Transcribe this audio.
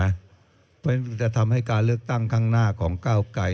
เพราะฉะนั้นจะทำให้การเลือกตั้งข้างหน้าของก้าวไกร